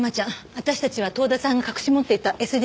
私たちは遠田さんが隠し持っていたＳＤ